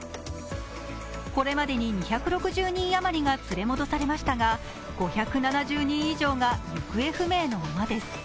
これまでに２６０人余りが連れ戻されましたが５７０人以上が行方不明のままです。